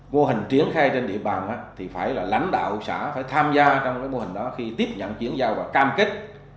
mô hình triển khai trên địa bàn thì phải là lãnh đạo xã phải tham gia trong cái mô hình đó khi tiếp nhận chuyển giao và cam kết